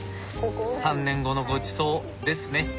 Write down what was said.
３年後のごちそうですね。